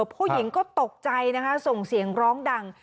ผู้หญิงก็ตกใจนะคะส่งเสียงร้องดัง